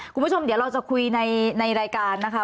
คุณผู้ชมเดี๋ยวเราจะคุยในรายการนะคะ